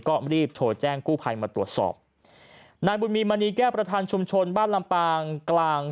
ก็รีบโทรแจ้งกู้ภัยมาตรวจสอบนายบุญมีมณีแก้วประธานชุมชนบ้านลำปางกลาง